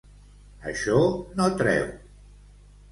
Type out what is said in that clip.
Això no treu.